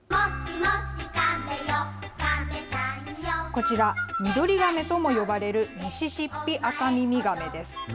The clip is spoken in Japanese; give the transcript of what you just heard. こちら、ミドリガメとも呼ばれる、ミシシッピアカミミガメです。